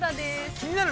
◆気になる